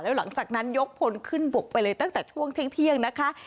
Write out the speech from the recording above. แล้วหลังจากนั้นยกพลขึ้นบกไปเลยตั้งแต่ช่วงเที่ยงนะคะ